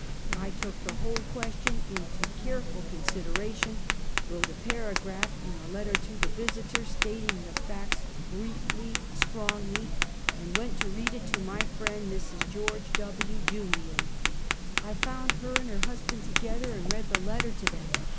I took the whole question into careful consid eration; wrote a paragraph in a letter to the Visiter, stating the facts briefly, strongly ; and went to read it to my friend, Mrs. George W, Julian. I found her and her husband together, and read the letter to them.